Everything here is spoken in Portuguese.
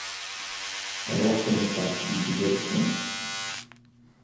Ela foi no parque de diversões.